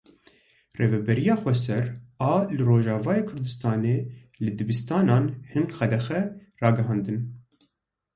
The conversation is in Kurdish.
Rêveberiya Xweser a li Rojavayê Kurdistanê li dibistanan hin qedexe ragihandin.